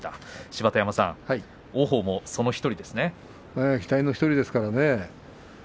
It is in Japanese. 芝田山さん期待の１人ですからね。